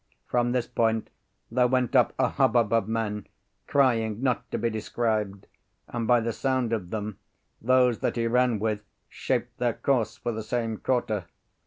From this point there went up a hubbub of men crying not to be described; and by the sound of them, those that he ran with shaped their course for the same quarter.